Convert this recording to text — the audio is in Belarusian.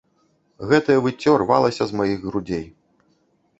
Гэтае выццё рвалася з маіх грудзей.